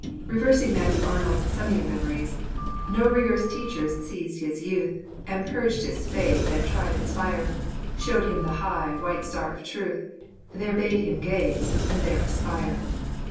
Reversing Matthew Arnold's sunnier memories: No rigorous teachers seized his youth, And purged its faith and tried its fire, Shewed him the high, white star of truth, There bade him gaze, and there aspire.